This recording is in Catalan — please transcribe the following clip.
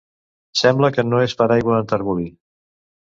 Sembla que no és per aigua enterbolir.